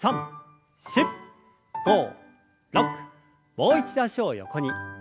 もう一度脚を横に。